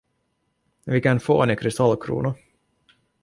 Vilken fånig kristallkrona!